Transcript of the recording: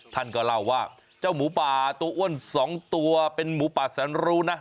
ท่านก็เล่าว่าเจ้าหมูป่าตัวอ้วน๒ตัวเป็นหมูป่าแสนรู้นะ